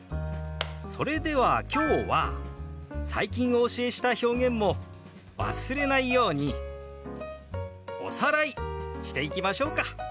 それでは今日は最近お教えした表現も忘れないようにおさらいしていきましょうか。